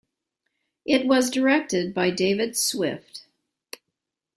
It was directed by David Swift.